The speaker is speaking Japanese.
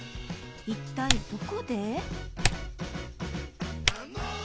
一体どこで？